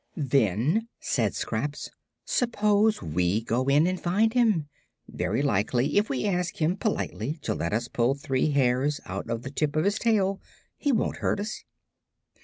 "Then," said Scraps, "suppose we go in and find him? Very likely if we ask him politely to let us pull three hairs out of the tip of his tail he won't hurt us."